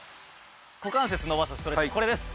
股関節を伸ばすストレッチこれです。